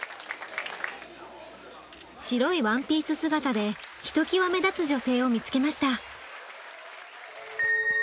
白いワンピース姿でひときわ目立つ女性を見つけました。